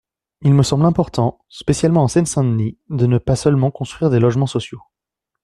Il me semble important, spécialement en Seine-Saint-Denis, de ne pas seulement construire des logements sociaux.